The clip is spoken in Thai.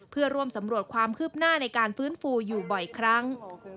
เพื่อร่วมสำรวจความคืบหน้าในการฟื้นฟูอยู่บ่อยครั้ง